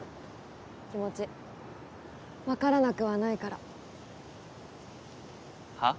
気持ち分からなくはないからはっ？